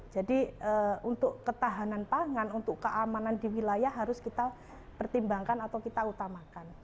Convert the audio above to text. jadi untuk ketahanan pangan untuk keamanan di wilayah harus kita pertimbangkan atau kita utamakan